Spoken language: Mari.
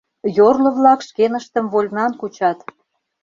Йорло-влак шкеныштым вольнан кучат.